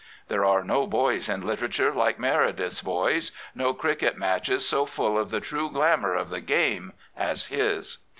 There are no boys in literature like Meredith's boys, no cricket matches so full of the true glamour of the game as his.